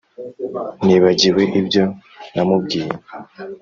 nibagiwe ibyo namubwiye,